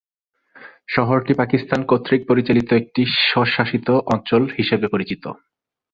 শহরটি পাকিস্তান কর্তৃক পরিচালিত একটি স্বশাসিত অঞ্চল হিসেবে পরিচিত।